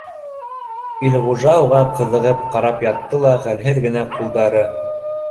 Илғужа уға ҡыҙығып ҡарап ятты ла хәлһеҙ генә ҡулдары